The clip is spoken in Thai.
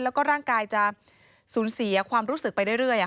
แล้วก็ร่างกายจะสูญเสียความรู้สึกไปเรื่อย